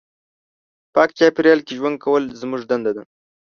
پاک چاپېریال کې ژوند کول زموږ دنده ده.